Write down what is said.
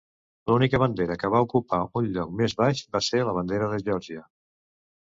L'única bandera que va ocupar un lloc més baix va ser la Bandera de Geòrgia.